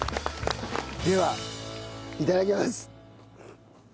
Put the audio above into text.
ではいただきます。